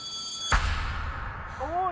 おい！